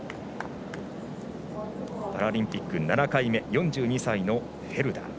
パラリンピック７回目４２歳のフェルダー。